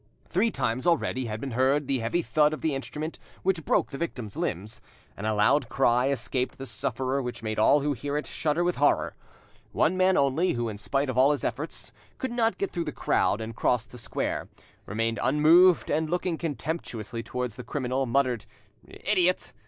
Three times already had been heard the heavy thud of the instrument which broke the victim's limbs, and a loud cry escaped the sufferer which made all who heard it shudder with horror, One man only, who, in spite of all his efforts, could not get through the crowd and cross the square, remained unmoved, and looking contemptuously towards the criminal, muttered, "Idiot!